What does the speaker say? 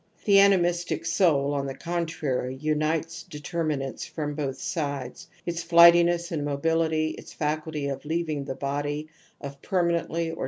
The /animistic souv on the contrary, unites determinants from both sides. \Its flightiness and mobility^ its faculty of leavmg the body, of permanently or